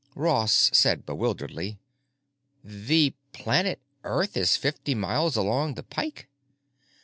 Ross said bewilderedly, "The planet Earth is fifty miles along the Pike?"